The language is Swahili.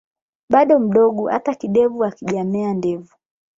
Bado mdogo hata kidevu hakijamea ndevu